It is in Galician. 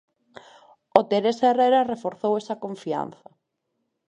O Teresa Herrera reforzou esa confianza.